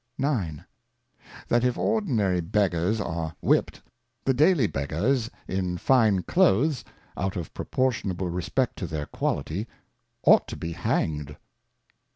9. That if ordinary Beggars are whip'd, the daily Beggars in fine Cloaths (out of a proportionable Respect to their Quality) ought to be hanged.